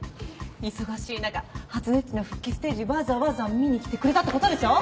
忙しい中はつねっちの復帰ステージわざわざ見にきてくれたってことでしょ？